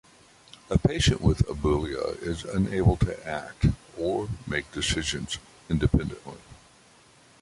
A patient with aboulia is unable to act or make decisions independently.